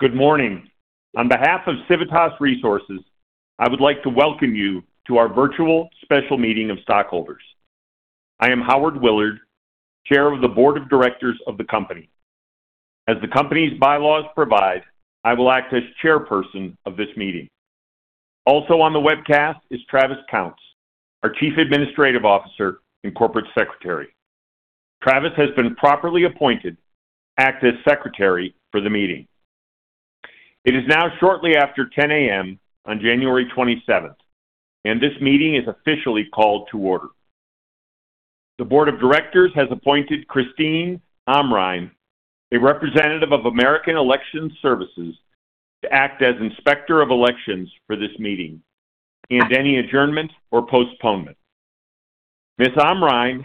Good morning. On behalf of Civitas Resources, I would like to welcome you to our virtual special meeting of stockholders. I am Howard Willard, Chair of the Board of Directors of the company. As the company's bylaws provide, I will act as chairperson of this meeting. Also on the webcast is Travis Counts, our Chief Administrative Officer and Corporate Secretary. Travis has been properly appointed to act as secretary for the meeting. It is now shortly after 10:00 A.M. on January 27th, and this meeting is officially called to order. The Board of Directors has appointed Christine Amrine, a representative of American Election Services, to act as Inspector of Elections for this meeting and any adjournment or postponement. Ms. Amrine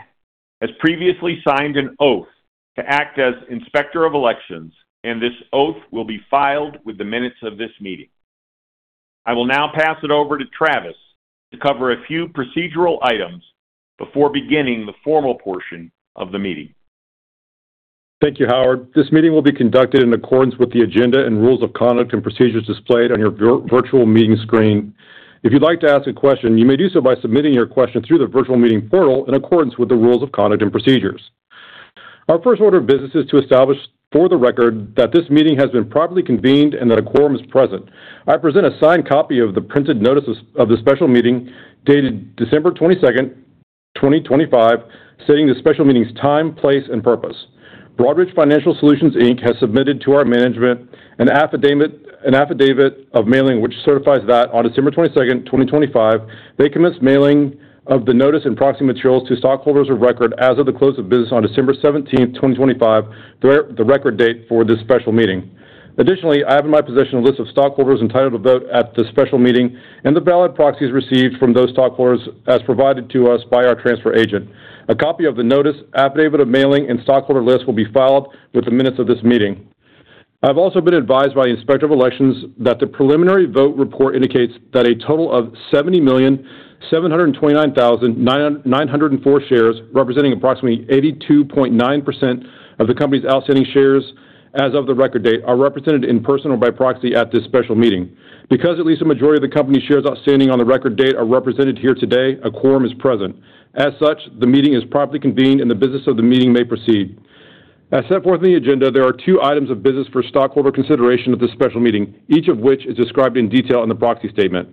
has previously signed an oath to act as Inspector of Elections, and this oath will be filed with the minutes of this meeting. I will now pass it over to Travis to cover a few procedural items before beginning the formal portion of the meeting. Thank you, Howard. This meeting will be conducted in accordance with the agenda and rules of conduct and procedures displayed on your virtual meeting screen. If you'd like to ask a question, you may do so by submitting your question through the virtual meeting portal in accordance with the rules of conduct and procedures. Our first order of business is to establish for the record that this meeting has been properly convened and that a quorum is present. I present a signed copy of the printed notice of the special meeting, dated December 22nd, 2025, stating the special meeting's time, place, and purpose. Broadridge Financial Solutions, Inc Has submitted to our management an affidavit of mailing, which certifies that on December 22nd, 2025, they commenced mailing of the notice and proxy materials to stockholders of record as of the close of business on December 17th, 2025, the record date for this special meeting. Additionally, I have in my possession a list of stockholders entitled to vote at the special meeting and the ballot proxies received from those stockholders as provided to us by our transfer agent. A copy of the notice, affidavit of mailing, and stockholder list will be filed with the minutes of this meeting. I've also been advised by the Inspector of Elections that the preliminary vote report indicates that a total of 70,729,904 shares, representing approximately 82.9% of the company's outstanding shares as of the record date, are represented in person or by proxy at this special meeting. Because at least a majority of the company's shares outstanding on the record date are represented here today, a quorum is present. As such, the meeting is properly convened and the business of the meeting may proceed. As set forth in the agenda, there are two items of business for stockholder consideration at this special meeting, each of which is described in detail in the proxy statement.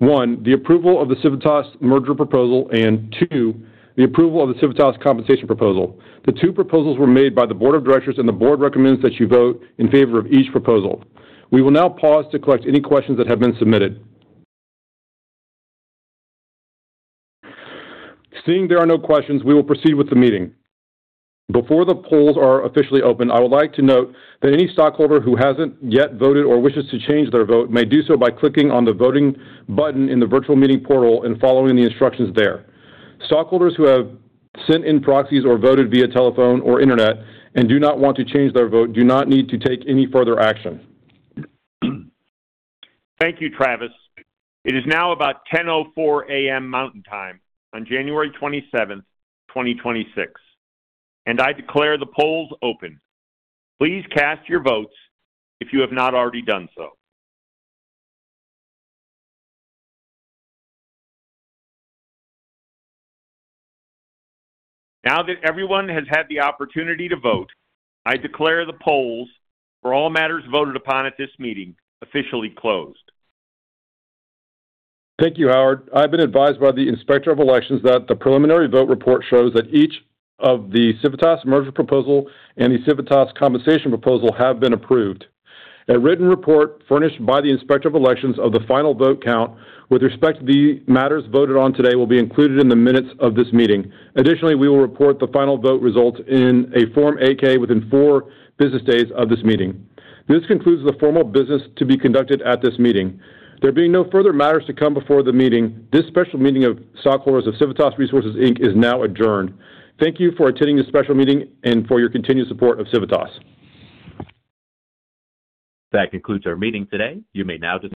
One, the approval of the Civitas merger proposal, and two, the approval of the Civitas compensation proposal. The two proposals were made by the board of directors, and the board recommends that you vote in favor of each proposal. We will now pause to collect any questions that have been submitted. Seeing there are no questions, we will proceed with the meeting. Before the polls are officially open, I would like to note that any stockholder who hasn't yet voted or wishes to change their vote may do so by clicking on the voting button in the virtual meeting portal and following the instructions there. Stockholders who have sent in proxies or voted via telephone or internet and do not want to change their vote, do not need to take any further action. Thank you, Travis. It is now about 10:04 A.M. Mountain Time on January 27, 2026, and I declare the polls open. Please cast your votes if you have not already done so. Now that everyone has had the opportunity to vote, I declare the polls for all matters voted upon at this meeting officially closed. Thank you, Howard. I've been advised by the Inspector of Elections that the preliminary vote report shows that each of the Civitas merger proposal and the Civitas compensation proposal have been approved. A written report furnished by the Inspector of Elections of the final vote count with respect to the matters voted on today will be included in the minutes of this meeting. Additionally, we will report the final vote results in a Form 8-K within four business days of this meeting. This concludes the formal business to be conducted at this meeting. There being no further matters to come before the meeting, this special meeting of stockholders of Civitas Resources, Inc. is now adjourned. Thank you for attending this special meeting and for your continued support of Civitas. That concludes our meeting today. You may now disconnect.